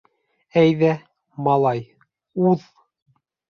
— Әйҙә, малай, уҙ.